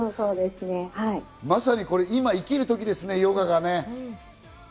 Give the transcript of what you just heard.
まさに今生きるときですね、ヨガがね。